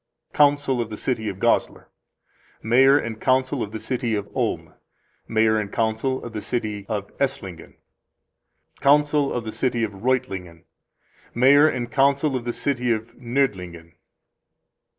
Council of the City of Goslar. Mayor and Council of the City of Ulm. Mayor and Council of the City of Esslingen. Council of the City of Reutlingen. Mayor and Council of the City of Noerdlingen.